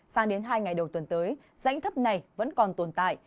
sang đến hai ngày đầu tuần tới rãnh thấp này vẫn còn tồn tại